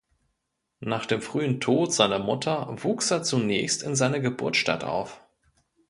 Nach dem frühen Tod seiner Mutter wuchs er zunächst in seiner Geburtsstadt auf.